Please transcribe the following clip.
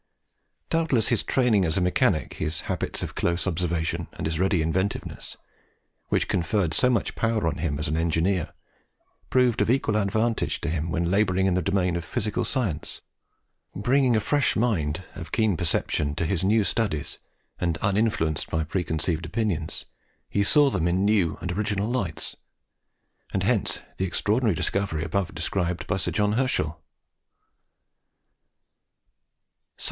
Doubtless his training as a mechanic, his habits of close observation and his ready inventiveness, which conferred so much power on him as an engineer, proved of equal advantage to him when labouring in the domain of physical science. Bringing a fresh mind, of keen perception, to his new studies, and uninfluenced by preconceived opinions, he saw them in new and original lights; and hence the extraordinary discovery above described by Sir John Herschel.